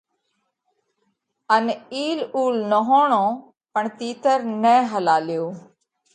ان اِيل اُول نهوڻو پڻ تِيتر نہ هلاليو